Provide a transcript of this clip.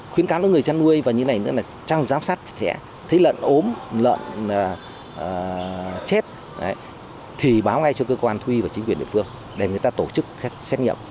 khuyến cáo cho người chăn nuôi và những người trong giám sát sẽ thấy lợn ốm lợn chết thì báo ngay cho cơ quan thu y và chính quyền địa phương để người ta tổ chức xét nghiệm